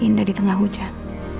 indah di tengah hujan